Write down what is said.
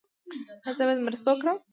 ایا زه باید مرسته وکړم؟